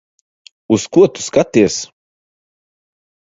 Uz ko tu skaties?